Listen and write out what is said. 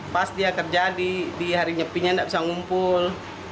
pas dia kerja di hari nyepinya tidak bisa ngumpul